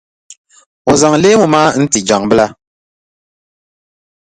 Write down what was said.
O zaŋ leemu maa n-ti Jaŋʼ bila.